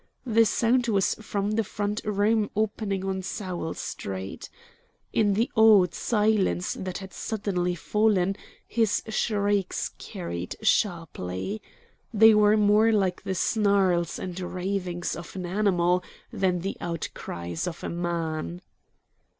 The sound was from the front room opening on Sowell Street. In the awed silence that had suddenly fallen his shrieks carried sharply. They were more like the snarls and ravings of an animal than the outcries of a man.